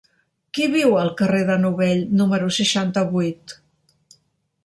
Qui viu al carrer de Novell número seixanta-vuit?